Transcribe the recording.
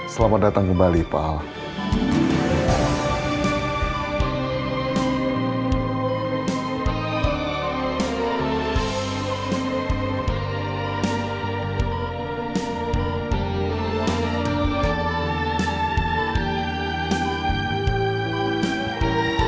selamat datang kembali pak